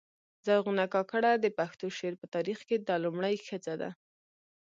زرغونه کاکړه د پښتو شعر په تاریخ کښي دا لومړۍ ښځه ده.